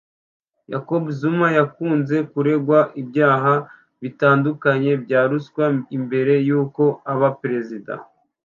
Jacob Zuma yakunze kuregwa ibyaha bitandukanye bya ruswa mbere y’uko aba Perezida